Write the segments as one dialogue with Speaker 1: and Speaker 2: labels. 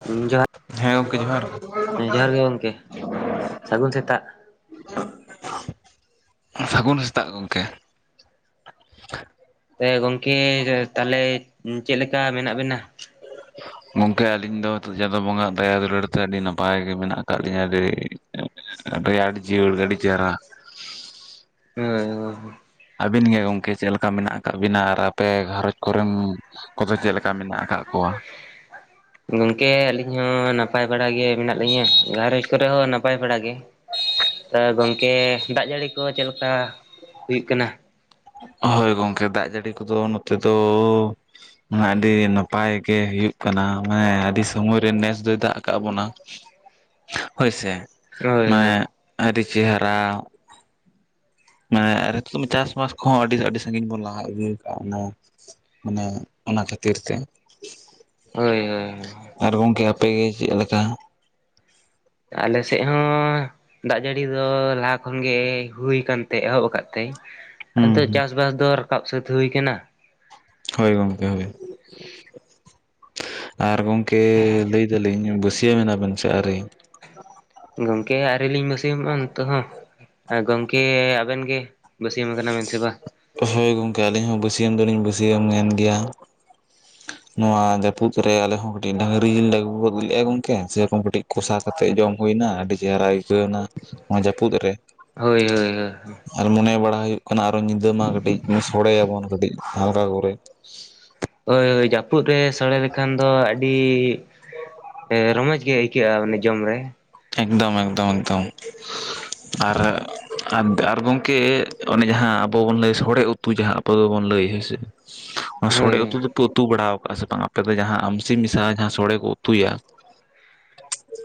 Speaker 1: ᱡᱚᱦᱟᱨ
Speaker 2: ᱦᱮᱸ ᱜᱚᱢᱠᱮ ᱡᱚᱦᱟᱨ᱾
Speaker 1: ᱡᱚᱦᱟᱨ ᱜᱮ ᱜᱚᱢᱠᱮ ᱥᱟᱹᱜᱩᱱ ᱥᱮᱛᱟᱜ
Speaker 2: ᱥᱟᱹᱜᱩᱱ ᱥᱮᱛᱟᱜ ᱜᱚᱝᱠᱮ᱾
Speaker 1: ᱮ ᱜᱚᱝᱠᱮ ᱛᱟᱦᱚᱞᱮ ᱪᱮᱫ ᱞᱮᱠᱟ ᱢᱮᱱᱟᱜ ᱵᱮᱱᱟ? [inaudible]
Speaker 2: ᱜᱚᱝᱠᱮ ᱟᱹᱞᱤᱧ ᱫᱚ ᱪᱟᱸᱫᱳ ᱵᱚᱸᱜᱟ ᱟᱜ ᱫᱟᱭᱟ ᱫᱩᱞᱟᱹᱲ ᱛᱮ ᱟᱹᱰᱤ ᱱᱟᱯᱟᱭ ᱜᱮ ᱢᱮᱱᱟᱜ ᱟᱠᱟᱫ ᱞᱤᱧᱟᱹ ᱟᱹᱰᱤᱼᱼ ᱨᱮᱭᱟᱲ ᱡᱤᱭᱟᱲ ᱜᱮ ᱟᱰᱤ ᱪᱮᱦᱨᱟ᱾
Speaker 1: ᱦᱚᱭ ᱦᱚᱭ
Speaker 2: ᱟᱹᱵᱤᱱ ᱜᱮ ᱜᱚᱝᱠᱮ ᱪᱮᱫ ᱞᱮᱠᱟ ᱢᱮᱱᱟᱜ ᱟᱠᱟᱫ ᱵᱤᱱᱟ ᱟᱨ ᱟᱯᱮ ᱜᱷᱟᱨᱚᱸᱡᱽ ᱠᱚᱨᱮᱱ ᱠᱚᱫᱚ ᱪᱮᱫ ᱞᱮᱠᱟ ᱢᱮᱱᱟᱜ ᱟᱠᱟᱫ ᱠᱚᱣᱟ?
Speaker 1: ᱜᱚᱝᱠᱮ ᱟᱹᱞᱤᱧ ᱦᱚᱸ ᱱᱟᱯᱟᱭ ᱵᱟᱲᱟ ᱜᱮ ᱢᱮᱱᱟᱜ ᱞᱤᱧᱟᱹ ᱾ ᱜᱸᱷᱟᱨᱚᱸᱡᱽ ᱠᱚᱨᱮ ᱦᱚᱸ ᱱᱟᱼᱼ ᱯᱟᱭ ᱵᱟᱲᱟᱟᱜ ᱜᱮ ᱾ ᱛᱚ ᱜᱚᱝᱠᱮ ᱫᱟᱜ ᱡᱟᱹᱲᱤ ᱠᱚ ᱪᱮᱫ ᱞᱮᱠᱟ ᱦᱩᱭᱩᱜ ᱠᱟᱱᱟ?
Speaker 2: ᱦᱳᱭ ᱜᱚᱝᱠᱮ ᱫᱟᱜ ᱡᱟᱹᱲᱤ ᱠᱚᱫᱚ ᱱᱚᱛᱮ ᱫᱚᱼᱼ ᱟᱹᱰᱤ ᱱᱟᱯᱟᱭ ᱜᱮ ᱦᱩᱭᱩᱜ ᱠᱟᱱᱟ ᱢᱟᱱᱮ ᱟᱹᱰᱤ ᱥᱳᱢᱚᱭ ᱨᱮ ᱱᱮᱥ ᱫᱚᱭ ᱫᱟᱜ ᱟᱠᱟᱫ ᱵᱚᱱᱟ ᱾ ᱦᱳᱭᱥᱮ
Speaker 1: ᱦᱳᱭ
Speaker 2: ᱢᱟᱱᱮ ᱟᱹᱰᱤ ᱪᱮᱦᱨᱟ ᱢᱟᱱᱮ ᱟᱨ ᱱᱤᱛᱚᱜ ᱪᱟᱥᱵᱟᱥ ᱠᱚᱦᱚᱸ ᱟᱹᱰᱤ ᱟᱹᱰᱤ ᱥᱟᱹᱜᱤᱧ ᱵᱚᱱ ᱞᱟᱦᱟ ᱤᱫᱤᱠᱟᱜᱼᱟ, ᱚᱱᱟᱼᱼ ᱢᱟᱱᱮ ᱚᱱᱟ ᱠᱷᱟᱹᱛᱤᱨ ᱛᱮ ᱾
Speaker 1: ᱦᱳᱭ ᱦᱳᱭ ᱾
Speaker 2: ᱟᱨ ᱜᱚᱝᱠᱮ ᱟᱯᱮᱜᱮ ᱪᱮᱫ ᱞᱮᱠᱟ?
Speaker 1: ᱟᱞᱮ ᱥᱮᱫ ᱦᱚᱸᱼᱼ ᱫᱟᱜ ᱡᱟᱹᱲᱤ ᱫᱚ ᱞᱟᱦᱟ ᱠᱷᱚᱱᱜᱮ ᱦᱩᱭ ᱟᱠᱟᱱᱛᱮ ᱮᱦᱚᱵ ᱠᱟᱜ ᱛᱮᱼᱼ
Speaker 2: ᱦᱩᱸ
Speaker 1: ᱟᱫᱚ
Speaker 2: ᱦᱩᱸ
Speaker 1: ᱪᱟᱥ ᱵᱟᱥ ᱫᱚ ᱨᱟᱠᱟᱵ ᱥᱟᱹᱛ ᱦᱩᱭ ᱟᱠᱟᱱᱟ ᱾
Speaker 2: ᱦᱳᱭ ᱜᱚᱢᱠᱮ ᱦᱳᱭ ᱾ ᱟᱨ ᱜᱚᱝᱠᱮ ᱞᱟᱹᱭ ᱫᱟᱞᱤᱧ ᱵᱟᱹᱥᱭᱟᱹᱢ ᱮᱱᱟ ᱵᱮᱱ ᱥᱮ ᱟᱹᱣᱨᱤ?
Speaker 1: ᱜᱚᱝᱠᱮ ᱟᱹᱣᱨᱤ ᱞᱤᱧ ᱵᱟᱹᱥᱣᱟᱹᱢᱚᱜᱼᱟ ᱱᱤᱛᱚᱜ ᱦᱚᱸ᱾ ᱜᱚᱝᱠᱮ ᱟᱵᱮᱱ ᱜᱮᱼᱼ ᱵᱟᱹᱥᱭᱟᱹᱢ ᱟᱠᱟᱱᱟ ᱵᱮᱱ ᱥᱮ ᱵᱟ?
Speaker 2: ᱦᱳᱭ ᱜᱚᱝᱠᱮ ᱟᱹᱞᱤᱧ ᱦᱚᱸ ᱵᱟᱹᱥᱭᱟᱹᱢ ᱫᱚᱞᱤᱧ ᱵᱟᱹᱥᱭᱟᱹᱢ ᱮᱱ ᱜᱮᱭᱟ ᱾ ᱱᱚᱣᱟ ᱡᱟᱹᱯᱩᱫ ᱨᱮ ᱟᱞᱮᱦᱚᱸ ᱠᱟᱹᱴᱤᱡ ᱰᱟᱝᱨᱤ ᱡᱤᱞ ᱞᱮ ᱟᱹᱜᱩ ᱜᱚᱫ ᱞᱮᱫᱼᱟ ᱜᱚᱝᱠᱮ ᱥᱮᱨᱚᱠᱚᱢ ᱠᱟᱹᱴᱤᱡ ᱠᱚᱥᱟᱼᱼ ᱠᱟᱛᱮᱫ ᱡᱚᱢ ᱦᱩᱭᱱᱟ ᱟᱹᱰᱤ ᱪᱮᱦᱨᱟ ᱟᱹᱭᱠᱟᱹᱣ ᱮᱱᱟ ᱾ ᱱᱚᱣᱟ ᱡᱟᱹᱯᱩᱫ ᱨᱮ
Speaker 1: ᱦᱳᱭ ᱦᱳᱭ ᱦᱳᱭ
Speaker 2: ᱾ ᱟᱨ ᱢᱚᱱᱮ ᱵᱟᱲᱟ ᱦᱩᱭᱩᱜᱼᱼ ᱟᱨᱚ ᱧᱤᱫᱟᱹ ᱢᱟ ᱠᱟᱹᱴᱤᱡ ᱥᱳᱲᱮ ᱭᱟᱵᱚᱱ ᱠᱟᱹᱴᱤᱡ ᱦᱟᱞᱠᱟ ᱠᱚᱨᱮ ᱾
Speaker 1: ᱦᱳᱭ ᱦᱳᱭ ᱡᱟᱹᱯᱩᱫ ᱨᱮ ᱥᱳᱲᱮ ᱞᱮᱠᱷᱟᱱ ᱫᱚ ᱟᱹᱰᱤ ᱨᱚᱢᱚᱡᱽ ᱜᱮᱼᱼ ᱟᱹᱭᱠᱟᱹᱜᱼᱟ ᱚᱱᱮ ᱡᱚᱢ ᱨᱮ ᱾
Speaker 2: ᱮᱠᱫᱚᱢ ᱮᱠᱫᱚᱢ ᱮᱠᱫᱚᱢ ᱾ ᱟᱨᱼᱼ ᱟᱨ ᱟᱨ ᱜᱚᱝᱠᱮ ᱚᱱᱮ ᱡᱟᱦᱟᱸ ᱟᱵᱚ ᱵᱚᱱ ᱞᱟᱹᱭ ᱥᱳᱲᱮ ᱩᱛᱩ ᱡᱟᱦᱟᱸ ᱟᱵᱚ ᱫᱚᱵᱚᱱ ᱞᱟᱹᱭ ᱦᱮᱸ ᱥᱮ ᱾ ᱚᱱᱟ ᱥᱳᱲᱮ
Speaker 1: ᱦᱳᱭ
Speaker 2: ᱩᱛᱩ ᱫᱚᱯᱮ ᱩᱛᱩ ᱵᱟᱲᱟᱣ ᱠᱟᱜᱼᱟ ᱥᱮ ᱵᱟᱝ ᱟᱯᱮ ᱫᱚ? ᱡᱟᱦᱟᱸ ᱟᱢᱥᱤ ᱢᱮᱥᱟ ᱡᱟᱦᱟᱸ ᱥᱳᱲᱮ ᱠᱚ ᱩᱛᱩᱭᱟ ᱾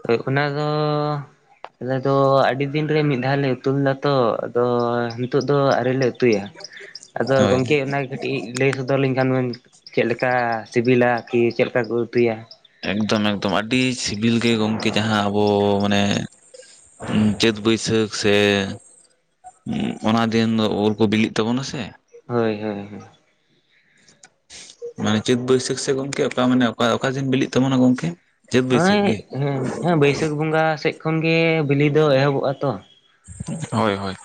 Speaker 1: ᱦᱳᱭ ᱚᱱᱟᱫᱚᱼᱼ ᱟᱞᱮ ᱫᱚ ᱟᱹᱰᱤ ᱫᱤᱱ ᱨᱮ ᱢᱤᱫ ᱫᱷᱟᱣ ᱞᱮ ᱩᱛᱩ ᱞᱮᱫᱟ ᱛᱚ ᱾ ᱟᱫᱚ ᱱᱤᱛᱚᱜ ᱫᱚ ᱟᱹᱣᱨᱤ ᱞᱮᱼᱼ ᱩᱛᱩᱭᱟ ᱟᱫᱚ
Speaker 2: ᱦᱳᱭ
Speaker 1: ᱜᱚᱢᱠᱮ ᱚᱱᱟ ᱠᱟᱹ ᱴᱤᱡ ᱞᱟᱹᱭ ᱥᱚᱫᱚᱨ ᱟᱞᱤᱧ ᱠᱷᱟᱱ ᱵᱮᱱ ᱪᱮᱫ ᱞᱮᱠᱟ ᱥᱤᱵᱤᱞᱟ ᱠᱤ ᱪᱮᱫ ᱞᱮᱠᱟ ᱠᱚ ᱩᱛᱩᱭᱟ?
Speaker 2: ᱮᱠᱫᱚᱢ ᱮᱠᱫᱚᱢ ᱾ ᱟᱹᱰᱤ ᱥᱤᱵᱤᱞ ᱜᱮ ᱜᱚᱝᱠᱮ ᱡᱟᱦᱟᱸ ᱟᱵᱚ ᱢᱟᱱᱮᱼᱼ ᱪᱟᱹᱛ ᱵᱟᱹᱭᱥᱟᱹᱠᱷ ᱥᱮᱼᱼ ᱦᱩᱸ ᱚᱱᱟ ᱫᱤᱱ ᱫᱚ ᱩᱞ ᱠᱚ ᱵᱤᱞᱤᱜ ᱛᱟᱵᱚᱱᱟ ᱥᱮ ᱾
Speaker 1: ᱦᱳᱭ ᱦᱳᱭ ᱦᱳᱭ ᱾
Speaker 2: ᱢᱟᱱᱮ ᱪᱟᱹᱛ ᱵᱟᱹᱭᱥᱟᱹᱠᱷ ᱥᱮ ᱜᱚᱝᱠᱮ ᱚᱠᱟ ᱢᱟᱱᱮ ᱚᱠᱟ ᱚᱠᱟ ᱫᱤᱱ ᱵᱤᱞᱤᱜ ᱛᱟᱵᱚᱱᱟ ᱜᱚᱝᱠᱮ? ᱪᱟᱹᱛ ᱵᱟᱹᱭᱥᱟᱹᱠᱷ
Speaker 1: ᱱᱚᱜᱼᱚᱭ
Speaker 2: ᱜᱮ
Speaker 1: ᱦᱮᱸ ᱦᱮᱸ ᱵᱟᱹᱭᱥᱟᱹᱠᱷ ᱵᱚᱸᱜᱟ ᱥᱮᱫ ᱠᱷᱚᱱ ᱜᱮ ᱵᱤᱞᱤ ᱫᱚ ᱮᱦᱚᱵᱚᱜᱼᱟ ᱛᱚ ᱾
Speaker 2: ᱦᱳᱭ ᱦᱳᱭ ᱾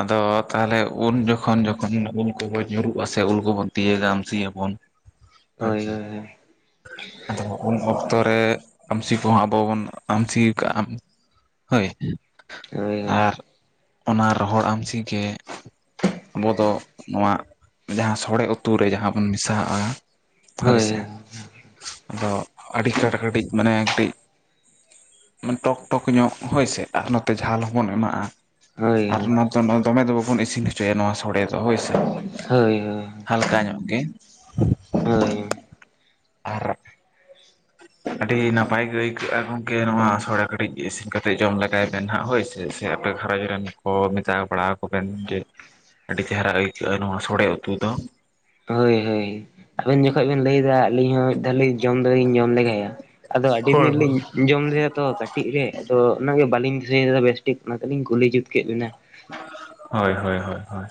Speaker 2: ᱟᱫᱚ ᱛᱟᱦᱞᱮ ᱩᱱ ᱡᱚᱠᱷᱚᱱ, ᱡᱚᱠᱷᱚᱱ ᱩᱞ ᱠᱚ ᱵᱚᱱ ᱧᱩᱨᱩᱜᱼᱟ ᱥᱮ ᱩᱞ ᱠᱚᱵᱚᱱ ᱛᱤᱭᱟᱹᱜᱟ ᱟᱢᱥᱤ ᱭᱟᱵᱚᱱ᱾
Speaker 1: ᱦᱳᱭ ᱦᱳᱭ ᱦᱳᱭ᱾
Speaker 2: ᱟᱫᱚ ᱩᱱ ᱚᱠᱛᱚ ᱨᱮ ᱟᱹᱢᱥᱤ ᱠᱚᱦᱚᱸ ᱟᱵᱚ ᱵᱚᱱ ᱟᱹᱢᱥᱤ ᱠᱟᱜᱼᱟ ᱾ ᱦᱳᱭ
Speaker 1: ᱦᱳᱭ
Speaker 2: ᱾ ᱟᱨ ᱚᱱᱟ ᱨᱚᱦᱚᱲ ᱟᱹᱢᱥᱤ ᱜᱮ ᱟᱵᱚ ᱫᱚᱼᱼ ᱱᱚᱣᱟ ᱡᱟᱦᱟᱸ ᱥᱳᱲᱮ ᱩᱛᱩ ᱨᱮ ᱡᱟᱦᱟᱸ ᱵᱚᱱ ᱢᱮᱥᱟ ᱦᱟᱜᱼᱟᱼᱼ
Speaker 1: ᱦᱳᱭ᱾
Speaker 2: ᱟᱫᱚ ᱟᱹᱰᱤ ᱠᱟᱴ ᱠᱟᱹᱴᱤᱡ ᱢᱟᱱᱮ ᱠᱟᱹᱴᱤᱡᱼᱼ ᱴᱚᱠ ᱴᱚᱠ ᱧᱚᱜ ᱦᱳᱭᱥᱮ ᱟᱨ ᱱᱚᱛᱮ ᱡᱷᱟᱞ ᱦᱚᱸ ᱵᱚᱱ ᱮᱢᱟᱜᱼᱟ
Speaker 1: ᱦᱳᱭ
Speaker 2: ᱾
Speaker 1: ᱦᱳᱭ
Speaker 2: ᱟᱨ ᱚᱱᱟ ᱫᱚ ᱫᱚᱢᱮ ᱫᱚ ᱵᱟᱵᱚᱱ ᱤᱥᱤᱱ ᱦᱚᱪᱚᱭᱟ ᱱᱚᱣᱟ ᱥᱳᱲᱮ ᱫᱚ ᱦᱳᱭᱥᱮ
Speaker 1: ᱦᱳᱭ ᱦᱳᱭ
Speaker 2: ᱾ ᱦᱟᱞᱠᱟ ᱧᱚᱜ ᱜᱮ ᱾
Speaker 1: ᱦᱳᱭ ᱾
Speaker 2: ᱟᱨ
Speaker 1: [inaudible]
Speaker 2: ᱟᱹᱰᱤ ᱱᱟᱯᱟᱭ ᱜᱮ ᱟᱹᱭᱠᱟᱹᱜᱼᱟ ᱜᱚᱝᱠᱮ, ᱱᱚᱣᱟ ᱥᱳᱲᱮ ᱠᱟᱹᱷᱴᱤᱡ ᱤᱥᱤᱱ ᱠᱟᱛᱮᱫ ᱡᱚᱢ ᱞᱮᱜᱟᱭ ᱵᱮᱱ ᱱᱟᱦᱟᱜ ᱦᱳᱭ ᱥᱮ᱾ ᱥᱮ ᱟᱯᱮ ᱜᱷᱟᱨᱚᱸᱡᱽ ᱨᱮᱱ ᱠᱚ ᱢᱮᱛᱟ ᱵᱟᱲᱟ ᱠᱚ ᱵᱮᱱ ᱡᱮᱼᱼ ᱟᱹᱰᱤ ᱪᱮᱦᱨᱟ ᱟᱹᱭᱠᱟᱹᱜᱼᱟ ᱱᱚᱣᱟ ᱥᱚᱲᱮ ᱩᱛᱩ ᱫᱚ᱾
Speaker 1: ᱦᱳᱭ ᱦᱳᱭ ᱟᱵᱮᱱ ᱡᱚᱠᱷᱚᱱ ᱵᱮᱱ ᱞᱟᱹᱭᱮᱫᱟ, ᱟᱹᱞᱤᱧ ᱦᱚᱸ ᱢᱤᱫ ᱫᱷᱟᱣᱞᱤᱧ ᱡᱚᱢ ᱫᱚᱞᱤᱧ ᱡᱚᱢ ᱞᱮᱜᱟᱭᱟ᱿ ᱟᱫᱚ ᱟᱹᱰᱤ ᱫᱤᱱ ᱨᱮᱞᱤᱧ ᱡᱚᱢ ᱞᱮᱫᱟ ᱛᱚ᱾ ᱠᱟᱹᱴᱤᱡ ᱨᱮ, ᱟᱫᱚ ᱚᱱᱟ ᱜᱮ ᱵᱟᱹᱞᱤᱧ ᱫᱤᱥᱟᱹᱭᱮᱫᱟ ᱵᱮᱥᱴᱷᱤᱠ, ᱚᱱᱟᱛᱮᱞᱤᱧ ᱠᱩᱞᱤ ᱡᱩᱛ ᱠᱮᱫ ᱵᱮᱤᱱᱟ᱾
Speaker 2: ᱦᱳᱭ ᱦᱳᱭ ᱦᱳᱭ ᱦᱳᱭ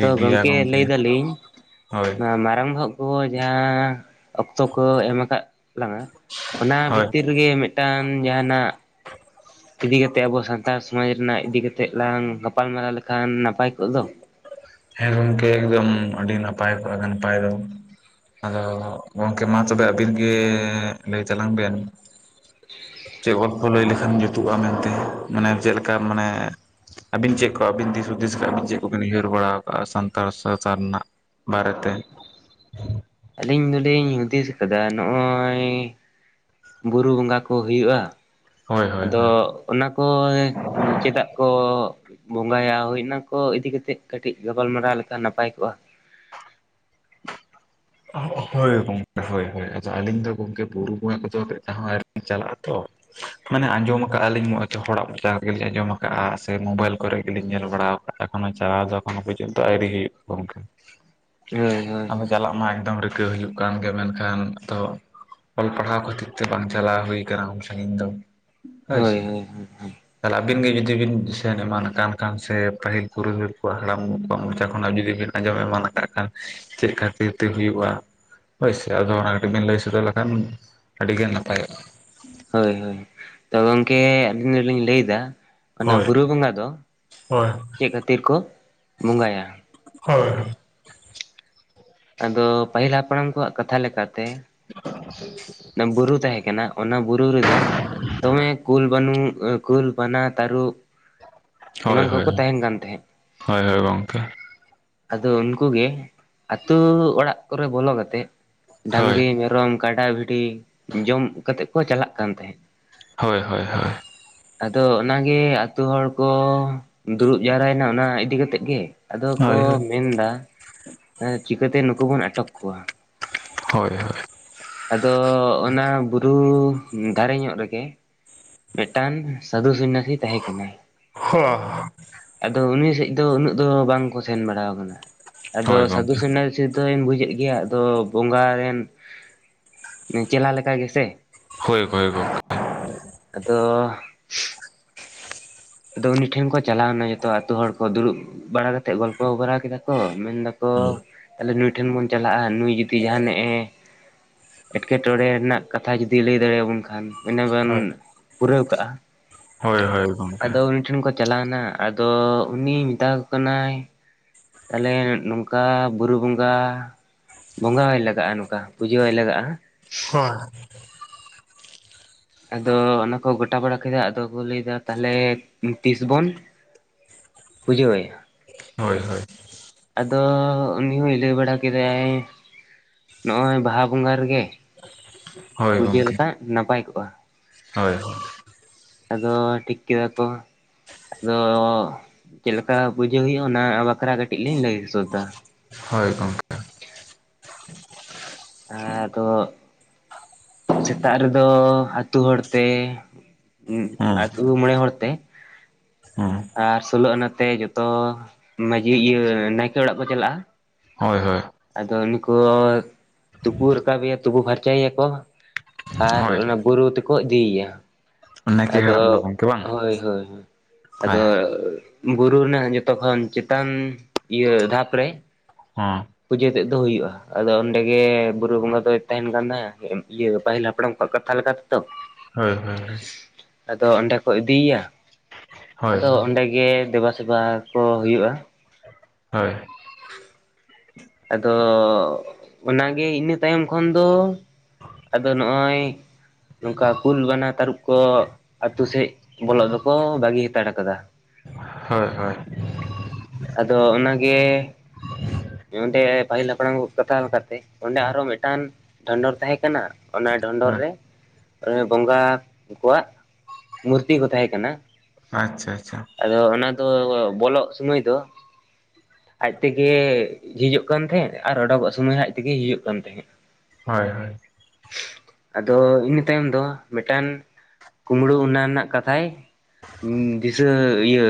Speaker 1: ᱛᱚ
Speaker 2: ᱜᱮᱭᱟ
Speaker 1: ᱜᱚᱝᱠᱮ ᱞᱟᱹᱭ
Speaker 2: ᱜᱚᱢᱠᱮ
Speaker 1: ᱫᱟᱞᱤᱧ᱾
Speaker 2: ᱦᱳᱭ
Speaker 1: ᱢᱟᱨᱟᱝ ᱵᱚᱦᱚᱜ ᱠᱚ, ᱡᱟᱦᱟᱸ ᱚᱠᱛᱚ ᱠᱚ ᱮᱢ ᱟᱠᱟᱫ ᱞᱟᱝᱟ᱾ ᱚᱱᱟ
Speaker 2: ᱦᱳᱭ
Speaker 1: ᱵᱷᱤᱛᱤᱨ ᱨᱮᱜᱮ, ᱢᱤᱫᱴᱟᱝ ᱡᱟᱦᱟᱱᱟᱜ᱾ ᱤᱫᱤ ᱠᱟᱛᱮ ᱟᱵᱚ ᱥᱟᱱᱛᱟᱲ ᱥᱚᱢᱟᱡᱽ ᱨᱮᱱᱟᱜ ᱤᱫᱤ ᱠᱟᱛᱮᱫ ᱞᱟᱝ ᱜᱟᱯᱟᱞᱢᱟᱨᱟᱣ ᱞᱮᱠᱷᱟᱱ ᱱᱟᱯᱟᱭᱼᱼ
Speaker 2: ᱦᱮᱸ ᱜᱚᱝᱠᱮ ᱮᱠᱫᱚᱢ ᱟᱹᱰᱤ ᱱᱟᱯᱟᱭ ᱠᱚᱜᱼᱟ ᱱᱟᱯᱟᱭ ᱫᱚ ᱟᱫᱚ ᱜᱚᱝᱠᱮ ᱢᱟ ᱛᱚᱵᱮ ᱟᱹᱵᱤᱱ ᱜᱮ ᱞᱟᱹᱭ ᱛᱟᱞᱟᱝ ᱵᱮᱱ᱾ ᱪᱮᱫ ᱜᱚᱞᱯᱚ ᱞᱟᱹᱭ ᱞᱮᱠᱷᱟᱱ ᱡᱩᱛᱩᱜᱼᱟ ᱢᱮᱱᱛᱮ ᱢᱟᱱᱮ ᱪᱮᱫᱠᱟ ᱢᱟᱱᱮ ᱟᱵᱤᱱ ᱪᱮᱫ ᱠᱚ ᱟᱵᱤᱱ ᱫᱤᱥ ᱩᱫᱤᱥ ᱠᱟᱜ-ᱟ ᱵᱤᱱ ᱪᱮᱫ ᱠᱚᱵᱤᱱ ᱩᱭᱦᱟᱹᱨ ᱵᱟᱲᱟ ᱟᱠᱟᱜᱼᱟ ᱥᱟᱱᱛᱟᱲ ᱥᱟᱶᱛᱟ ᱨᱮᱱᱟᱜ ᱵᱟᱨᱮ ᱛᱮ?
Speaker 1: ᱟᱹᱞᱤᱧ ᱫᱚᱞᱤᱧ ᱦᱩᱫᱤᱥ ᱟᱠᱟᱫᱟ ᱱᱚᱜᱼᱚᱭᱼᱼ ᱵᱩᱨᱩ ᱵᱚᱸᱜᱟ ᱠᱚ ᱦᱩᱭᱩᱜᱼᱟ,
Speaker 2: ᱦᱳᱭ ᱦᱳᱭ
Speaker 1: ᱟᱫᱚᱼᱼ
Speaker 2: ᱦᱳᱭ
Speaker 1: ᱚᱱᱟ ᱠᱚ ᱪᱮᱫᱟᱜ ᱠᱚ ᱵᱚᱸᱜᱟᱭᱟ? ᱦᱩᱭᱳᱱᱟᱠᱚ ᱤᱫᱤ ᱠᱟᱛᱮᱜ ᱠᱟᱹᱴᱤᱡ ᱜᱟᱯᱟᱞᱢᱟᱨᱟᱣ ᱞᱮᱠᱟ ᱱᱟᱯᱟᱭ ᱠᱚᱜᱼᱟ᱾
Speaker 2: ᱦᱳᱭ ᱜᱚᱝᱠᱮ ᱦᱳᱭ ᱦᱭ ᱟᱹᱞᱤᱧ ᱫᱚ ᱜᱚᱝᱠᱮ ᱵᱩᱨᱩ ᱵᱚᱸᱜᱟ ᱠᱚᱫᱚ ᱢᱤᱫᱫᱷᱟᱣ ᱦᱚᱸ ᱟᱣᱨᱤᱞᱤᱧ ᱪᱟᱞᱟᱜ ᱟ ᱛᱚ, ᱢᱟᱱᱮ ᱟᱸᱡᱚᱢᱟᱟᱜᱼᱟᱞᱤᱧ ᱦᱚᱲᱟᱜ ᱢᱚᱪᱟ ᱛᱮᱜᱮᱞᱞᱤᱧ ᱟᱸᱡᱚᱢᱟᱟᱜᱼᱟ, ᱥᱮ ᱢᱳᱵᱟᱭᱤᱞ ᱠᱚᱨᱮ ᱜᱮᱞᱤᱧ ᱧᱮᱞ ᱵᱟᱲᱟ ᱠᱟᱜᱼᱟ, ᱮᱠᱷᱚᱱᱚ ᱪᱟᱞᱟᱣ ᱫᱚᱠᱷᱚᱱᱳ ᱯᱚᱨᱡᱚᱱᱛ ᱱᱤᱛᱚᱜ ᱦᱚᱸ ᱟᱣᱨᱤ ᱦᱩᱭᱩᱜᱼᱟ ᱜᱚᱢᱠᱮ᱾
Speaker 1: [inaudible] ᱦᱳᱭ
Speaker 2: ᱟᱫᱚ ᱪᱟᱞᱟᱜ ᱢᱟ ᱮᱠᱫᱚᱢ ᱨᱤᱠᱟᱹ ᱦᱩᱭᱩᱜ ᱠᱟᱱ ᱜᱮ, ᱢᱮᱱᱠᱷᱟᱱ ᱟᱫᱚ ᱚᱞ ᱯᱟᱲᱦᱟᱣ ᱠᱷᱟᱹᱛᱤᱨ ᱛᱮ, ᱵᱟᱝ ᱪᱟᱞᱟᱣ ᱦᱩᱭ ᱟᱠᱟᱱᱟ ᱩᱱᱢ ᱥᱟᱜᱤᱧ ᱫᱚ᱾
Speaker 1: ᱦᱳᱭ, ᱦᱳᱭ, ᱦᱳᱭ
Speaker 2: ᱛᱟᱦᱚᱞᱮ ᱟᱹᱵᱤᱱ ᱜᱮ ᱡᱩᱫᱤ ᱵᱤᱱ ᱥᱮᱱ ᱮᱢᱟᱱ ᱠᱟᱱ ᱠᱷᱟᱱ ᱥᱮ ᱯᱟᱹᱦᱤᱞ ᱯᱩᱨᱤᱫᱷᱩᱞ ᱠᱚᱣᱟᱜ ᱦᱟᱲᱟᱢ ᱠᱚᱣᱟᱜ ᱢᱚᱪᱟ ᱠᱷᱚᱱᱟᱜ ᱡᱩᱫᱤ ᱵᱤᱱ ᱟᱸᱡᱚᱢᱮ ᱮᱢᱟᱱ ᱟᱠᱟᱫ ᱠᱷᱟᱱ ᱪᱮᱫ ᱠᱷᱟᱹᱛᱤᱨ ᱛᱤ ᱦᱩᱭᱩᱜᱼᱟ ᱦᱳᱭᱥᱮ, ᱟᱫᱚ ᱚᱱᱟ ᱠᱟᱹᱴᱤᱡ ᱵᱮᱱ ᱞᱟᱹᱭ ᱥᱚᱫᱚᱨ ᱞᱮᱠᱷᱟᱱ ᱟᱹᱰᱤ ᱜᱮ ᱱᱟᱯᱟᱭᱚᱜᱼᱟ᱾
Speaker 1: ᱦᱳᱭ ᱦᱳᱭ ᱛᱚ ᱜᱚᱢᱠᱮ ᱟᱹᱞᱤᱧ ᱫᱚᱞᱤᱧ ᱞᱟᱹᱭ ᱮᱫᱟ ᱚᱱᱟ
Speaker 2: ᱦᱳᱭ
Speaker 1: ᱵᱩᱨᱩ ᱵᱚᱸᱜᱟ ᱫᱚ,
Speaker 2: ᱦᱳᱭ
Speaker 1: ᱪᱮᱫ ᱠᱷᱟᱹᱛᱤᱨ ᱠᱚ, ᱵᱚᱸᱜᱟᱭᱟ᱾
Speaker 2: ᱦᱳᱭ
Speaker 1: ᱟᱫᱚ ᱯᱟᱹᱦᱤᱞ ᱦᱟᱯᱲᱟᱢ ᱠᱚᱣᱟᱜ ᱠᱟᱛᱷᱟ ᱞᱮᱠᱟᱛᱮ᱾
Speaker 2: [unintelligible]
Speaker 1: ᱵᱩᱨᱩ ᱛᱟᱦᱮᱸ ᱠᱟᱱᱟ ᱚᱱᱟ ᱵᱩᱨᱩ ᱨᱮᱫᱚ ᱫᱚᱢᱮ ᱠᱩᱞ ᱵᱟᱱᱩᱜ ᱠᱩᱞ, ᱵᱟᱱᱟ, ᱛᱟᱹᱨᱩᱵ,
Speaker 2: ᱦᱳᱭ
Speaker 1: ᱮᱢᱟᱱ ᱠᱚᱠᱚ
Speaker 2: ᱦᱳᱭ
Speaker 1: ᱛᱟᱦᱮᱱ ᱠᱟᱱ ᱛᱟᱦᱮᱸᱜ᱾
Speaker 2: ᱦᱳᱭ ᱦᱳᱭ ᱜᱚᱝᱠᱮ
Speaker 1: ᱟᱫᱚ ᱩᱱᱠᱩᱩᱜ ᱜᱮ ᱟᱹᱛᱩ ᱚᱲᱟᱜ ᱠᱚᱨᱮ ᱵᱚᱞᱚ ᱠᱟᱛᱮᱫ ᱰᱟᱹᱟᱝᱨᱤ,
Speaker 2: ᱦᱳᱭ
Speaker 1: ᱢᱮᱨᱚᱢ, ᱠᱟᱰᱟ, ᱵᱷᱤᱰᱤ, ᱡᱚᱢ ᱠᱟ ᱠᱟᱛᱮᱜ ᱠᱚ ᱪᱟᱞᱟᱜ ᱠᱟᱱ ᱛᱟᱦᱮᱸᱫ᱾
Speaker 2: ᱦᱳᱭ ᱦᱳᱭ ᱦᱳᱭ
Speaker 1: ᱟᱫᱚ ᱚᱱᱟᱜᱮ ᱟᱛᱳ ᱦᱚᱲ ᱠᱚ, ᱫᱩᱲᱩᱵ ᱡᱟᱣᱨᱟᱭᱱᱟ ᱚᱱᱟ ᱤᱫᱤᱠᱟ ᱠᱟᱛᱮᱜ ᱜᱮ᱾ ᱟᱫᱚ ᱠᱚ
Speaker 2: ᱦᱳᱭ
Speaker 1: ᱢᱮᱱ ᱮᱫᱟ, ᱪᱤᱠᱟᱹᱛᱮ ᱱᱩᱠᱩ ᱵᱚᱱ ᱟᱴᱚᱠ ᱠᱚᱣᱟ᱾
Speaker 2: ᱦᱳᱭ, ᱦᱳᱭ
Speaker 1: ᱟᱫᱚ, ᱚᱱᱟ ᱵᱩᱨᱩ ᱫᱟᱨᱮ ᱧᱚᱜ ᱨᱮᱜᱮ, ᱢᱤᱫᱴᱟᱝ ᱥᱟᱹᱫᱷᱩ ᱥᱚᱱᱱᱟᱥᱤ ᱛᱟᱦᱮᱸ ᱠᱟᱱᱟᱭ᱾
Speaker 2: ᱦᱳᱭ ᱦᱳᱭ
Speaker 1: ᱟᱫᱚ ᱩᱱᱤ ᱥᱮᱫ ᱫᱚ ᱩᱱᱟᱹᱜ ᱫᱚ ᱵᱟᱝ ᱠᱚ ᱥᱮᱱ ᱵᱟᱲᱟᱣ ᱠᱟᱱᱟ, ᱟᱫᱚ
Speaker 2: ᱦᱳᱭ
Speaker 1: ᱥᱟᱹᱫᱷᱩ
Speaker 2: ᱜᱚᱝᱠᱮ
Speaker 1: ᱥᱚᱱᱱᱟᱥᱤ ᱫᱚᱧ ᱵᱩᱡᱮᱫ ᱜᱮᱭᱟ ᱟᱫᱚ ᱵᱚᱸᱜᱟᱮᱱ ᱪᱮᱞᱟ ᱞᱮᱠᱟ ᱜᱮᱥᱮ,
Speaker 2: ᱦᱳᱭ ᱦᱳᱭ ᱵᱚᱠᱚᱧ
Speaker 1: ᱟᱫᱚ ᱟᱫᱚ ᱩᱱᱤ ᱴᱷᱮᱱ ᱠᱚ ᱪᱟᱞᱟᱣᱱᱟ ᱡᱚᱛᱚ ᱟᱹᱛᱳ ᱦᱚᱲ ᱠᱚ ᱫᱩᱲᱩᱵ ᱵᱟᱲᱟ ᱠᱟᱛᱮᱫ ᱜᱚᱞᱯᱚ ᱵᱟᱲᱟ ᱠᱮᱫᱟ ᱠᱚ, ᱢᱮᱱ ᱫᱟ ᱛᱚ ᱛᱟᱦᱞᱮ ᱱᱩᱭ ᱴᱷᱮᱱ ᱵᱚᱱ ᱪᱟᱞᱟᱜᱼᱟ, ᱱᱩᱭ ᱡᱩᱫᱤ ᱡᱟᱦᱟᱱᱟᱜ ᱮ ᱮᱸᱴᱠᱮ ᱴᱚᱬᱮ ᱨᱮᱱᱟᱜ ᱠᱟᱛᱷᱟ ᱡᱩᱚᱫᱤ ᱞᱟᱹᱭ ᱫᱟᱲᱮᱭᱟᱵᱚᱱ ᱠᱷᱟᱱ ᱩᱱᱟᱹ ᱵᱚᱱ ᱯᱩᱨᱟᱹᱣ ᱠᱟᱜᱼᱟ᱾
Speaker 2: ᱦᱳᱭ ᱦᱳᱭ ᱜᱚᱢ
Speaker 1: ᱟᱫᱚ ᱩᱱᱤ ᱴᱷᱮᱱ ᱠᱚ ᱪᱟᱞᱟᱣ ᱮᱱᱟ, ᱟᱫᱚ ᱩᱱᱤ ᱢᱮᱛᱟᱠᱚ ᱠᱟᱱᱟᱭ ᱛᱟᱦᱚᱞᱮ ᱱᱚᱝᱠᱟ ᱵᱩᱨᱩ ᱵᱚᱸᱜᱟ ᱵᱚᱸᱜᱟ ᱟᱭ ᱞᱟᱜᱟᱜᱼᱟ ᱱᱚᱝᱠᱟ ᱯᱩᱡᱟᱹ ᱟᱭ ᱞᱟᱜᱟᱜᱼᱟ,
Speaker 2: [unintelligible]
Speaker 1: ᱟᱫᱚ ᱚᱱᱟᱠᱚ ᱜᱚᱴᱟ ᱵᱟᱲᱟ ᱠᱮᱫᱟ, ᱟᱫᱚ ᱠᱚ ᱞᱟᱹᱭ ᱠᱮᱫᱟ ᱛᱟᱦᱚᱞᱮ ᱛᱤᱥ ᱵᱚᱱ ᱵᱩᱡᱷᱟᱹᱣ ᱟᱭᱟ?
Speaker 2: ᱦᱳᱭ ᱦᱳᱭ
Speaker 1: ᱟᱫᱚ ᱩᱱᱤ ᱦᱚᱭ ᱞᱟᱹᱭ ᱵᱟᱲᱟ ᱠᱮᱫᱟᱭ ᱱᱚᱜᱼᱚᱭ ᱵᱟᱦᱟ ᱵᱚᱸᱜᱟ ᱨᱮᱜᱮ
Speaker 2: ᱦᱳᱭ
Speaker 1: ᱯᱩᱡᱟᱹ
Speaker 2: ᱜᱚᱝᱠᱮ
Speaker 1: ᱞᱮᱠᱟᱡ ᱱᱟᱯᱟᱭ ᱠᱚᱜᱼᱟ᱾
Speaker 2: ᱦᱳᱭ ᱦᱳᱭ
Speaker 1: ᱟᱫᱚ ᱴᱷᱤᱠ ᱠᱮᱫᱟ ᱠᱚ ᱟᱫᱚ ᱪᱮᱫ ᱞᱮᱠᱟ ᱯᱩᱡᱟᱹ ᱦᱩᱭᱩᱜᱼᱟ ᱚᱱᱟ ᱵᱟᱠᱷᱨᱟ ᱠᱟᱹᱴᱤᱡ ᱞᱤᱧ ᱞᱟᱹᱭ ᱥᱚᱫᱟ᱾
Speaker 2: ᱦᱳᱭ ᱜᱚᱝᱠᱮ
Speaker 1: ᱦᱮᱸ ᱛᱚ᱾ ᱥᱮᱛᱟᱜ ᱨᱮᱫᱚ ᱟᱛᱳ ᱦᱚᱲ ᱛᱮ
Speaker 2: ᱦᱩᱸ
Speaker 1: ᱟᱛᱳ ᱢᱚᱬᱮ ᱦᱚᱲ ᱛᱮ᱾
Speaker 2: ᱦᱮᱸ
Speaker 1: ᱟᱨ ᱥᱳᱞᱳ ᱟᱱᱟᱛᱮ ᱡᱚᱛᱚ ᱢᱟᱺᱡᱷᱤ ᱤᱭᱟᱹ ᱱᱟᱭᱠᱮ ᱚᱲᱟᱜ ᱠᱚ ᱪᱟᱞᱟᱜᱼᱟ᱾
Speaker 2: ᱦᱳᱭ ᱦᱳᱭ᱾
Speaker 1: ᱟᱫᱚ ᱩᱱᱤᱠᱩ ᱛᱩᱯᱩ ᱨᱟᱠᱟᱵ ᱮᱭᱟ ᱛᱩᱯᱩ ᱯᱷᱟᱨᱪᱟᱭ ᱮᱭᱟ ᱠᱚ᱾ ᱟᱨ
Speaker 2: ᱦᱳᱭ
Speaker 1: ᱚᱱᱟ ᱵᱩᱨᱩ ᱛᱮᱠᱚ ᱤᱫᱤᱭᱮᱭᱟ᱾
Speaker 2: ᱱᱟᱭᱠᱮ
Speaker 1: ᱟᱫᱚ
Speaker 2: ᱦᱟᱲᱟᱢ ᱫᱚ ᱜᱚᱝᱠᱮ ᱵᱟᱝ
Speaker 1: ᱦᱳᱭ ᱦᱳᱭ
Speaker 2: ᱦᱳᱭ
Speaker 1: ᱟᱫᱚ᱾ ᱵᱩᱨᱩ ᱨᱮᱱᱟᱜ ᱡᱚᱛᱚ ᱠᱷᱚᱱ ᱪᱮᱛᱟᱱ ᱤᱭᱟᱹ ᱫᱷᱟᱯ ᱨᱮ
Speaker 2: ᱦᱮᱸ
Speaker 1: ᱯᱩᱡᱟᱹ ᱛᱮᱫ ᱫᱚ ᱦᱩᱭᱩᱜᱼᱟ᱾ ᱟᱫᱚ ᱚᱸᱰᱮ ᱜᱮ ᱵᱩᱨᱩ ᱵᱚᱸᱜᱟ ᱫᱚᱭ ᱛᱟᱦᱮᱱ ᱠᱟᱱ ᱛᱟᱦᱮᱸ ᱤᱭᱟᱹ ᱯᱟᱹᱦᱤᱞ ᱦᱟᱯᱲᱟᱢ ᱠᱚᱣᱟᱜ ᱠᱟᱛᱷᱟ ᱞᱮᱠᱟ ᱞᱮᱠᱟ ᱛᱮ ᱛᱚ᱾
Speaker 2: ᱦᱳᱭ ᱦᱳᱭ᱾
Speaker 1: ᱟᱫᱚ ᱚᱸᱰᱮ ᱠᱚ ᱤᱫᱤᱭᱭᱟ
Speaker 2: ᱦᱳᱭ
Speaker 1: ᱟᱫᱚ
Speaker 2: ᱦᱳᱭ
Speaker 1: ᱚᱸᱰᱮ ᱜᱮ ᱫᱮᱵᱟ ᱥᱮᱵᱟ ᱠᱚ ᱦᱩᱭᱩᱜᱼᱟ᱾
Speaker 2: ᱦᱳᱭ
Speaker 1: ᱟᱫᱚ ᱚᱱᱟᱜᱮ ᱤᱱᱟᱹ ᱛᱟᱭᱚᱢ ᱠᱷᱚᱱ ᱫᱚ ᱟᱫᱚ ᱱᱚᱜᱼᱚᱭ ᱱᱚᱝᱠᱟ ᱠᱩᱞ ᱵᱟᱱᱟ ᱛᱟᱹᱨᱩᱯ ᱠᱚ ᱟᱛᱳ ᱥᱮᱫ ᱵᱚᱞᱚᱜ ᱫᱚᱠᱚ ᱵᱟᱹᱜᱤ ᱦᱟᱛᱟᱲ ᱟᱠᱟᱫᱟ᱾
Speaker 2: ᱦᱳᱭ ᱦᱳᱭ᱾
Speaker 1: ᱟᱫᱚ ᱚᱱᱟ ᱜᱮ᱾ ᱚᱸᱰᱮ ᱯᱟᱹᱦᱤᱞ ᱦᱟᱯᱲᱟᱢ ᱠᱚ ᱠᱟᱛᱷᱟ ᱞᱮᱠᱟᱛᱮ ᱚᱸᱰᱮ ᱟᱨᱚ ᱢᱤᱫᱴᱟᱝ ᱰᱷᱚᱸᱰᱚᱨ ᱛᱟᱦᱮᱸ ᱠᱟᱱᱟ ᱚᱱᱟ ᱰᱷᱚᱸᱰᱚᱨ
Speaker 2: ᱦᱳᱭ
Speaker 1: ᱨᱮ ᱵᱚᱸᱜᱟ ᱠᱚᱣᱟᱜ ᱢᱩᱨᱛᱤ ᱠᱚ ᱛᱟᱦᱮᱸ ᱠᱟᱱᱟ᱾
Speaker 2: ᱟᱪᱪᱷᱟ ᱟᱪᱪᱷᱟ᱾
Speaker 1: ᱟᱫᱚ ᱚᱱᱟ ᱫᱚ ᱵᱚᱞᱚᱜ ᱥᱩᱢᱚᱭ ᱫᱚ ᱟᱡ ᱛᱮᱜᱮ ᱡᱷᱤᱚᱩᱜ ᱠᱟᱱ ᱛᱟᱦᱮᱸᱜ ᱟᱨ ᱚᱰᱚᱠᱠᱚᱜ ᱥᱳᱚᱢᱚᱭ ᱦᱟᱸ ᱟᱭᱟᱛᱮᱜᱮ ᱦᱤᱡᱩᱜ ᱠᱟᱱ ᱛᱟᱦᱮᱸᱫ᱾
Speaker 2: ᱦᱳᱭ ᱦᱳᱭ
Speaker 1: ᱟᱫᱚ ᱤᱱᱟᱹ ᱛᱟᱭᱚᱢ ᱫᱚ ᱢᱤᱫᱴᱟᱱ ᱠᱩᱢᱵᱽᱲᱩ ᱚᱱᱟ ᱨᱮᱱᱟᱜ ᱠᱟᱛᱷᱟᱭ ᱫᱤᱥᱟᱹ ᱤᱭᱟᱹ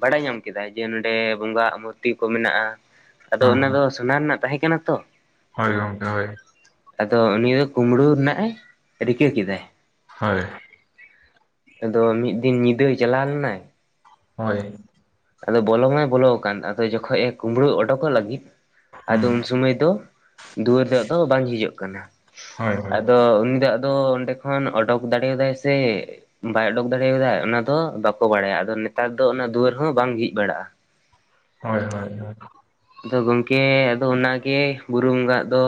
Speaker 1: ᱵᱟᱲᱟᱭ ᱧᱟᱢ ᱠᱮᱫᱟ ᱡᱮ ᱱᱚᱸᱰᱮ ᱵᱚᱸᱜᱟᱣᱟᱜ ᱢᱩᱨᱛᱤ ᱠᱚ ᱢᱮᱱᱟᱜᱼᱟ ᱟᱫᱚ
Speaker 2: ᱦᱚᱸ
Speaker 1: ᱚᱱᱟ
Speaker 2: ᱦᱚᱸ
Speaker 1: ᱫᱚ ᱥᱚᱱᱟ ᱨᱮᱱᱟᱜ ᱛᱟᱦᱮᱸ ᱠᱟᱱᱟ ᱛᱚ
Speaker 2: ᱦᱳᱭ ᱜᱚᱢᱠᱮ ᱦᱳᱭ
Speaker 1: ᱟᱫᱚ ᱩᱱᱤ ᱫᱚ ᱠᱩᱳᱢᱵᱽᱲᱩ ᱨᱮᱱᱟᱜ ᱮ ᱨᱤᱠᱟᱹ ᱠᱮᱫᱟ᱾
Speaker 2: ᱦᱳᱭ
Speaker 1: ᱟᱫᱚ ᱢᱤᱫ ᱫᱤᱱ ᱧᱤᱫᱟᱹᱭ ᱪᱟᱞᱟᱣ ᱞᱮᱱᱟᱭ᱾
Speaker 2: ᱦᱳᱭ
Speaker 1: ᱟᱫᱚ ᱵᱚᱞᱚ ᱢᱟᱭ ᱵᱚᱞᱚ ᱟᱠᱟᱱ ᱟᱫᱚ ᱡᱚᱠᱷᱚᱡ ᱮ ᱠᱩᱢᱵᱽᱲᱩ ᱚᱰᱠᱚᱜ ᱞᱟᱹᱜᱤᱫ᱾
Speaker 2: ᱦᱩᱸ
Speaker 1: ᱟᱫᱚ ᱩᱱ ᱥᱩᱢᱟᱹᱭ ᱫᱚ ᱫᱩᱣᱟᱹᱨ ᱫᱚ ᱟᱫᱚ ᱵᱟᱝ ᱡᱷᱤᱡᱚᱜ ᱠᱟᱱᱟᱹ ᱾
Speaker 2: ᱦᱳᱭ ᱦᱳᱭ
Speaker 1: ᱟᱫᱚ ᱩᱱᱤ ᱫᱚ ᱟᱫᱚ ᱚᱸᱰᱮ ᱠᱷᱚᱱ ᱚᱰᱳᱚᱠ ᱫᱟᱲᱮᱭᱟᱫᱟᱭ ᱥᱮ ᱵᱟᱭ ᱚᱰᱩᱚᱠ ᱫᱟᱲᱮᱭᱟᱫᱟ ᱚᱱᱟ ᱫᱚ ᱵᱟᱠᱚ ᱵᱟᱲᱟᱭᱟ ᱟᱫᱚ ᱱᱮᱛᱟᱨ ᱫᱚ ᱚᱱᱟ ᱫᱩᱣᱟᱹᱨ ᱦᱚᱸ ᱵᱟᱝ ᱡᱷᱤᱡ ᱵᱟᱲᱟᱜᱼᱟ᱾
Speaker 2: ᱦᱳᱭ ᱦᱳᱭ ᱦᱳᱭ᱾
Speaker 1: ᱟᱫᱚ ᱜᱚᱝᱠᱮ ᱟᱫᱚ ᱚᱱᱟᱜᱮ ᱵᱩᱨᱩ ᱵᱚᱸᱜᱟᱜ ᱫᱚ᱾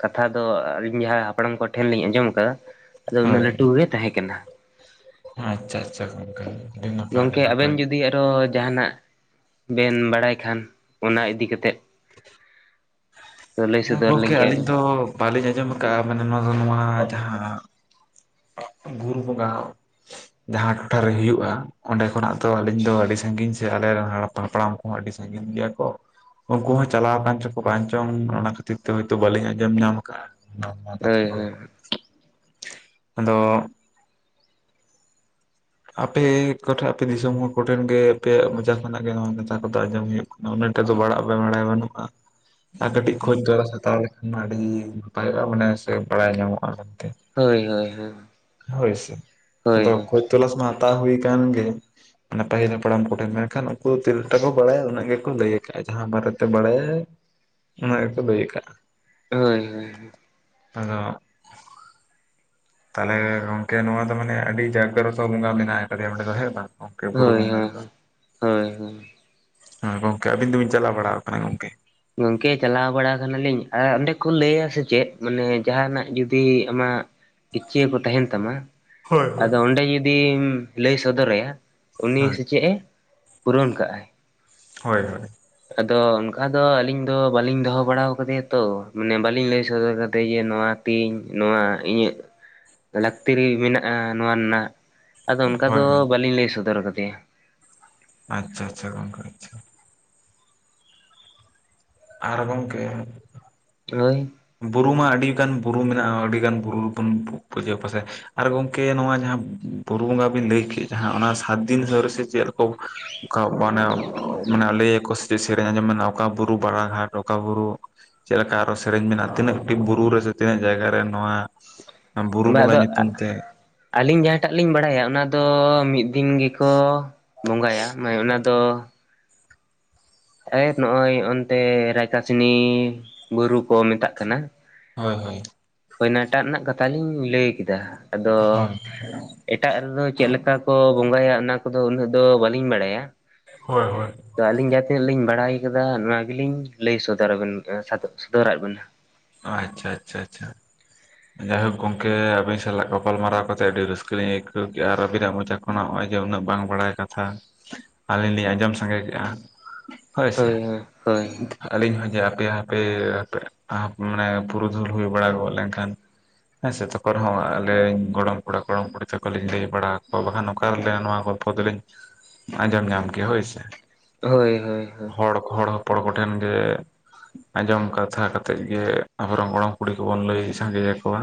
Speaker 1: ᱠᱟᱛᱷᱟ ᱫᱚ ᱟᱹᱞᱤᱧ ᱦᱟᱸᱜ ᱦᱟᱯᱲᱟᱢ ᱠᱚᱴᱷᱮᱱ ᱞᱤᱧ ᱟᱸᱡᱚᱢ ᱟᱠᱟᱜᱼᱟ᱾ ᱟᱫᱚ ᱩᱱᱟᱹᱜ
Speaker 2: ᱦᱳᱭ
Speaker 1: ᱞᱟᱹᱴᱩ ᱜᱮ ᱛᱟᱦᱮᱸ ᱠᱟᱱᱟ᱾
Speaker 2: ᱪᱟᱨᱪᱟ ᱚᱝᱠᱟ᱾
Speaker 1: ᱜᱚᱝᱠᱮ ᱟᱵᱮᱱ ᱡᱩᱫᱤ ᱟᱨᱚ ᱡᱟᱦᱟᱸᱱᱟᱜ ᱵᱮᱱ ᱵᱟᱲᱟᱭ ᱠᱷᱟᱱ ᱚᱱᱟ ᱤᱫᱤ ᱠᱟᱛᱮ᱾ [inaudible]
Speaker 2: ᱚᱱᱟ
Speaker 1: ᱥᱚᱫᱚᱨ
Speaker 2: ᱜᱚᱝᱠᱮ
Speaker 1: ᱠᱮᱭᱟ
Speaker 2: ᱟᱹᱞᱤᱧ
Speaker 1: ᱵᱮᱱ
Speaker 2: ᱫᱚ ᱵᱟᱹᱞᱤᱧ ᱟᱸᱡᱚᱢ ᱟᱠᱟᱫᱼᱟ ᱢᱟᱱᱮ ᱱᱚᱣᱟ ᱫᱚ ᱱᱚᱣᱟ ᱡᱟᱦᱟᱸ᱾ ᱵᱩᱨᱩ ᱵᱚᱸᱜᱟ ᱡᱟᱦᱟᱸ ᱴᱚᱴᱷᱟᱨᱮ ᱦᱩᱭᱩᱜᱼᱟ ᱚᱸᱰᱮ ᱠᱷᱚᱱᱟᱜ ᱫᱚ ᱟᱹᱞᱤᱧ ᱫᱚ ᱟᱹᱰᱤ ᱥᱟᱺᱜᱤᱧ ᱥᱮ ᱟᱞᱮᱨᱮᱱ ᱦᱟᱯᱲᱟᱢ ᱦᱚᱸ ᱟᱹᱰᱤ ᱥᱟᱺᱜᱤᱧ ᱜᱮᱭᱟ ᱠᱚ ᱩᱱᱠᱩ ᱦᱚᱸ ᱪᱟᱞᱟᱣ ᱟᱠᱟᱱ ᱪᱚᱠᱚ ᱵᱟᱝ ᱪᱚᱝ ᱚᱱᱟ ᱠᱷᱟᱹᱛᱤᱨ ᱛᱮ ᱦᱚᱭᱛᱚ ᱵᱟᱟᱹᱞᱤᱧ ᱟᱸᱡᱚᱢ ᱧᱟᱢ ᱟᱠᱟᱫᱟ᱾ ᱚᱱᱟ ᱠᱟᱛᱷᱟ
Speaker 1: ᱦᱳᱭ
Speaker 2: ᱠᱚ, ᱟᱫᱚ ᱟᱯᱮ ᱠᱚᱴᱷᱮᱱ ᱟᱯᱮ ᱫᱤᱥᱚᱢ ᱦᱚᱲ ᱠᱚᱴᱷᱮᱱ ᱜᱮ ᱟᱯᱮᱭᱟᱜ ᱢᱚᱪᱟ ᱠᱷᱚᱱᱟᱜ ᱜᱮ ᱱᱚᱣᱟ ᱠᱟᱛᱷᱟ ᱠᱚᱫᱚ ᱟᱸᱡᱚᱢ ᱦᱩᱭᱩᱜ ᱠᱟᱱᱟ ᱩᱱᱟᱹᱜᱴᱟ ᱫᱚ ᱵᱟᱲᱟᱜ ᱵᱟᱲᱟᱭ ᱵᱟᱹᱱᱩᱜᱼᱟ᱾ ᱟᱨ ᱠᱟᱹᱴᱤᱡ ᱠᱷᱚᱡᱽ ᱫᱚᱨᱟᱥ ᱦᱟᱛᱟᱣ ᱞᱮᱠᱷᱟᱱ ᱢᱟ ᱟᱹᱰᱤ ᱱᱟᱯᱟᱭᱚᱜᱼᱟ ᱢᱟᱱᱮ ᱥᱮ ᱵᱟᱲᱟᱭ ᱧᱟᱢᱚᱜᱼᱟ ᱢᱮᱱᱛᱮ
Speaker 1: ᱦᱳᱭ ᱦᱳᱭ ᱦᱳᱭ
Speaker 2: ᱦᱳᱭ ᱥᱮ ᱟᱫᱚ
Speaker 1: ᱦᱳᱭ
Speaker 2: ᱠᱷᱚᱡ ᱛᱚᱞᱟᱥ ᱢᱟ ᱦᱟᱛᱟᱣ ᱦᱩᱭ ᱠᱟᱱ ᱜᱮ ᱢᱟᱱᱮ ᱯᱟᱹᱦᱤᱞ ᱦᱟᱲᱟᱢ ᱠᱚᱰᱷᱮᱱ ᱢᱮᱱᱠᱷᱟᱱ ᱩᱱᱠᱩ ᱛᱤᱨᱞᱴᱟ ᱠᱚ ᱵᱟᱲᱟᱭᱟ ᱩᱱᱟᱹᱜ ᱜᱮᱠᱚ ᱞᱟᱹᱭ ᱟᱠᱟᱫᱼᱟ ᱡᱟᱦᱟᱸ ᱵᱟᱨᱮᱛᱮ ᱵᱟᱲᱟᱭᱟ ᱩᱱᱟ. ᱜ ᱜᱮᱠᱚ ᱞᱟᱹᱭ ᱠᱟᱜᱼᱟ
Speaker 1: ᱦᱳᱭ ᱦᱳᱭ
Speaker 2: ᱟᱫᱚ ᱛᱟᱦᱚᱞᱮ ᱜᱚᱝᱠᱮ ᱱᱚᱣᱟ ᱫᱚ ᱢᱟᱱᱮ ᱟᱹᱰᱤ ᱡᱟᱜᱽᱨᱚᱛᱚ ᱵᱚᱸᱜᱟ ᱢᱮᱱᱟᱜ ᱟᱠᱟᱫᱮᱭᱟ ᱚᱸᱰᱮ ᱫᱚ ᱦᱮᱸ ᱵᱟᱝ ᱚᱝᱠᱮ ᱵᱩᱨᱩ
Speaker 1: ᱦᱳᱭ
Speaker 2: ᱵᱚᱸᱜᱟ ᱨᱮᱫᱚ
Speaker 1: ᱦᱳᱭ ᱦᱳᱭ
Speaker 2: ᱦᱮᱸ ᱜᱚᱝᱠᱮ ᱟᱵᱤᱱ ᱫᱚᱵᱤᱱ ᱪᱟᱞᱟᱣ ᱵᱟᱲᱟ ᱟᱠᱟᱱᱟ ᱜᱚᱝᱠᱮ
Speaker 1: ᱜᱚᱝᱠᱮ ᱪᱟᱞᱟᱣ ᱵᱟᱲᱟ ᱠᱟᱱᱟᱞᱤᱧ ᱟᱨ ᱚᱸᱰᱮ ᱠᱚ ᱞᱟᱹᱭᱭᱟ ᱥᱮ ᱪᱮᱫ ᱢᱟᱱᱮ ᱡᱟᱦᱟᱱᱟᱜ ᱡᱩᱫᱤ ᱟᱢᱟᱜ ᱤᱪᱪᱤᱭᱟᱹ ᱠᱚ ᱛᱟᱦᱮᱱ ᱛᱟᱢᱟ
Speaker 2: ᱦᱳᱭ ᱦᱳᱭ
Speaker 1: ᱟᱫᱚ ᱚᱸᱰᱮ ᱡᱩᱫᱤᱢ ᱞᱟᱹᱭ ᱥᱚᱫᱚᱨ ᱟᱭᱟ ᱩᱱᱤ ᱥᱮᱪᱮᱫ ᱮ ᱯᱩᱨᱚᱱ ᱠᱟᱜᱼᱟᱭ
Speaker 2: ᱦᱳᱭ ᱦᱳᱭ
Speaker 1: ᱟᱫᱚ ᱚᱱᱠᱟ ᱫᱚ ᱟᱞᱤᱧ ᱫᱚ ᱵᱟᱞᱤᱧ ᱫᱚᱦᱚ ᱵᱟᱲᱟ ᱟᱠᱟᱫᱮᱭᱟ ᱛᱚ ᱢᱟᱱᱮ ᱵᱟᱞᱤᱧ ᱞᱟᱹᱭ ᱥᱚᱫᱚᱨ ᱠᱟᱫᱮ ᱡᱮ ᱱᱚᱣᱟ ᱤᱧ ᱱᱚᱣᱟ ᱤᱧᱟᱹᱜ ᱞᱟᱹᱠᱛᱤ ᱨᱮ ᱢᱮᱱᱟᱜᱼᱟ ᱱᱚᱣᱟ ᱨᱮᱱᱟᱜ ᱟᱫᱚ ᱚᱱᱠᱟ
Speaker 2: ᱦᱳᱭ
Speaker 1: ᱫᱚ
Speaker 2: ᱦᱳᱭ
Speaker 1: ᱵᱟᱹᱞᱤᱧ ᱞᱟᱹᱭ ᱥᱚᱫᱚᱨ ᱟᱠᱟᱫᱮᱭᱟ
Speaker 2: ᱟᱪᱪᱷᱟ ᱟᱪᱪᱷᱟ ᱜᱚᱝᱠᱮ ᱟᱪᱪᱷᱟ ᱟᱨ ᱜᱚᱝᱠᱮ
Speaker 1: ᱦᱳᱭ
Speaker 2: ᱵᱩᱨᱩ ᱢᱟ ᱟᱹᱰᱤᱜᱟᱱ ᱵᱩᱨᱩ ᱢᱮᱱᱟᱜᱼᱟ ᱟᱹᱰᱤᱜᱟᱱ ᱵᱩᱨᱩ ᱨᱮᱵᱚᱱ ᱯᱩᱡᱟᱹ ᱯᱟᱥᱟᱭ ᱟᱨ ᱜᱚᱝᱠᱮ ᱱᱚᱣᱟ ᱡᱟᱦᱟᱸ ᱵᱩᱨᱩ ᱵᱚᱸᱜᱟ ᱵᱤᱱ ᱞᱟᱹᱭ ᱠᱮᱫ ᱡᱟᱦᱟᱸ ᱚᱱᱟ ᱥᱟᱛᱫᱤᱱ ᱦᱟᱹ ᱨᱮᱥ ᱪᱮᱫ ᱴᱳᱯ ᱚᱱᱠᱟ ᱢᱟᱱᱮ ᱢᱟᱱᱮ ᱞᱟᱹᱭ ᱠᱚ ᱪᱮᱫ ᱥᱮᱨᱮᱧ ᱟᱸᱡᱚᱢᱱᱟ ᱚᱠᱟ ᱵᱩᱨᱩ ᱵᱟᱲᱟ ᱜᱷᱟᱴ ᱚᱠᱟ ᱵᱩᱨᱩ ᱪᱮᱫ ᱞᱮᱠᱟ ᱟᱨᱚ ᱥᱮᱨᱮᱧ ᱢᱮᱱᱟᱜ ᱛᱤᱱᱟᱹᱴᱤ ᱵᱩᱨᱩ ᱨᱮ ᱥᱮ ᱛᱤᱱᱟᱹᱜ ᱡᱟᱭᱜᱟ ᱨᱮ ᱱᱚᱣᱟ ᱵᱩᱨᱩ
Speaker 1: ᱵᱟ
Speaker 2: ᱵᱚᱸᱜᱟ
Speaker 1: ᱟᱫᱚ ᱟ
Speaker 2: ᱧᱩᱛᱩᱢ ᱛᱮ
Speaker 1: ᱟᱞᱤᱧ ᱡᱟᱦᱟᱸ ᱴᱟᱜ ᱞᱤᱧ ᱵᱟᱲᱟᱭᱟ ᱚᱱᱟ ᱫᱚ ᱢᱤᱫᱼᱼ ᱫᱤᱱ ᱜᱮᱠᱚ ᱵᱚᱸᱜᱟᱭᱟ ᱢᱟᱱᱮ ᱚᱱᱟ ᱫᱚᱼᱼ ᱮ ᱱᱚᱜᱼᱚᱭ ᱚᱱᱛᱮ ᱨᱟᱠᱟ ᱥᱤᱱᱤ ᱵᱩᱨᱩ ᱠᱚ ᱢᱮᱛᱟᱜ ᱠᱟᱱᱟ᱾
Speaker 2: ᱦᱚᱭ ᱦᱚᱭ᱾
Speaker 1: ᱦᱚᱭᱱᱟ ᱴᱟᱜ ᱨᱮᱱᱟᱜ ᱠᱟᱛᱷᱟ ᱞᱤᱧ ᱞᱟᱹᱭ ᱠᱮᱫᱟ ᱟᱫᱚᱼᱼ ᱮᱴᱟᱜ ᱨᱮᱫᱚ ᱪᱮᱫ ᱞᱮᱠᱟ ᱠᱚ ᱵᱚᱸᱜᱟᱭᱟ ᱚᱱᱟ ᱠᱚᱫᱚ ᱩᱱᱟᱹᱜ ᱫᱚ ᱵᱟᱹᱞᱤᱧ ᱵᱟᱲᱟᱭᱟ᱾
Speaker 2: ᱦᱳᱭ ᱦᱳᱭ᱾
Speaker 1: ᱛᱚ ᱟᱹᱞᱤᱧ ᱡᱟᱦᱟᱸ ᱛᱤᱱᱟᱹᱜ ᱞᱤᱧ ᱵᱟᱲᱟᱭ ᱟᱠᱟᱫᱟ ᱱᱚᱣᱟ ᱜᱮᱞᱤᱧ ᱞᱟᱹᱭ ᱥᱚᱫᱚᱨᱟ ᱵᱮᱱ ᱠᱟᱱ ᱥᱟᱫᱚᱜ ᱥᱚᱫᱚᱨᱟᱜ ᱵᱮᱱᱟ᱾
Speaker 2: ᱟᱪᱪᱷᱟ ᱟᱪᱷᱟ ᱪᱷᱟ᱾ ᱡᱟᱭᱦᱳᱠ ᱜᱚᱝᱠᱮ ᱟᱹᱵᱤᱱ ᱥᱟᱞᱟᱜ ᱜᱟᱯᱟᱞ ᱢᱟᱨᱟᱣ ᱠᱟᱛᱮᱜ ᱟᱹᱰᱤ ᱨᱟᱹᱥᱠᱟᱹ ᱞᱤᱧ ᱟᱹᱭᱠᱟᱹᱣ ᱠᱮᱜᱼᱟ ᱟᱨ ᱟᱹᱵᱤᱱᱟᱜ ᱢᱚᱪᱟ ᱠᱚᱼᱼ ᱱᱚᱜᱼᱚᱭ ᱡᱮ ᱩᱱᱟᱹᱜ ᱵᱟᱝ ᱵᱟᱲᱟᱭ ᱠᱟᱛᱷᱟ ᱟᱞᱤᱧ ᱞᱤᱧ ᱟᱸᱡᱚᱢ ᱥᱟᱸᱜᱮ ᱠᱮᱜᱼᱟ᱾ ᱦᱳᱭ ᱥᱮ ᱟᱹᱞᱤᱧ ᱦᱚᱸ ᱡᱮ ᱟᱯᱮ ᱭᱟᱜ ᱦᱟᱯᱮ ᱟᱯᱮ ᱟᱯᱼᱼ ᱢᱟᱱᱮ ᱯᱩᱨᱩᱫᱷᱩᱞ ᱦᱩᱭ ᱵᱟᱲᱟ ᱜᱚᱜ ᱞᱮᱱᱠᱷᱟᱱᱼᱼ ᱦᱮᱸ ᱥᱮ ᱛᱚᱠᱷᱚᱱ ᱨᱮᱦᱚᱸ ᱟᱞᱮ ᱭᱤᱧ ᱜᱚᱲᱚᱢ ᱠᱚᱲᱟ ᱜᱚᱲᱚᱢ ᱠᱩᱲᱤ ᱛᱟᱠᱚ ᱞᱤᱧ ᱞᱟᱹᱭ ᱵᱟᱲᱟᱣ ᱠᱚᱣᱟ ᱵᱟᱠᱷᱟᱱ ᱚᱠᱟ ᱨᱮ ᱞᱟᱹᱭᱟ ᱱᱚᱣᱟ ᱠᱚ ᱼᱼ ᱠᱚᱫᱚ ᱞᱤᱧ ᱟᱸᱡᱚᱢ ᱧᱟᱢ ᱠᱮᱜᱼᱟ ᱦᱳᱭᱥᱮ᱾
Speaker 1: ᱦᱳᱭ ᱦᱳᱭ ᱦᱳᱭ᱾
Speaker 2: ᱦᱚᱲ ᱠᱚ ᱦᱚᱲ ᱦᱚᱯᱚᱲ ᱠᱚ ᱴᱷᱮᱱ ᱜᱮ ᱟᱸᱡᱚᱢ ᱠᱟᱛᱷᱟ ᱠᱟᱛᱮᱜᱼ ᱜᱮ ᱟᱵᱚ ᱨᱮᱱ ᱜᱚᱲᱚᱢ ᱠᱩᱲᱤ ᱠᱚᱵᱚᱱ ᱞᱟᱹᱭ ᱥᱟᱸᱜᱮᱭᱟ ᱠᱚᱣᱟ᱾